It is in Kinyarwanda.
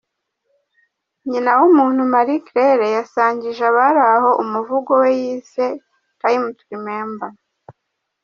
Nyinawumuntu Marie-Claire yasangije abari aho umuvugo we yise “Time to Remember” .